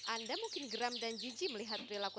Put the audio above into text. anda mungkin geram dan jiji melihat perilaku